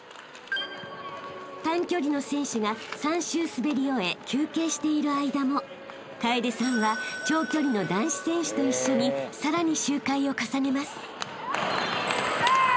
［短距離の選手が３周滑り終え休憩している間も楓さんは長距離の男子選手と一緒にさらに周回を重ねます］